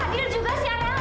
kamila fadil juga sih ada aneh